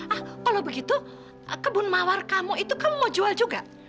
ah kalau begitu kebun mawar kamu itu kamu mau jual juga